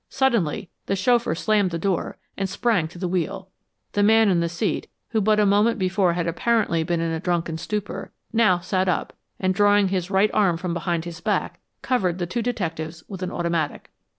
Suddenly the chauffeur slammed the door and sprang to the wheel. The man in the seat, who but a moment before had apparently been in a drunken stupor, now sat up, and drawing his right arm from behind his back, covered the two detectives with an automatic.